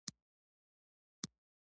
پاتې سل زره باید د برخوالو ترمنځ ووېشل شي